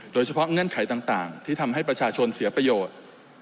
เงื่อนไขต่างที่ทำให้ประชาชนเสียประโยชน์